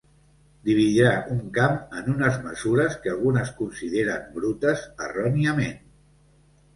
Dividirà un camp en unes mesures que alguns consideren brutes, erròniament.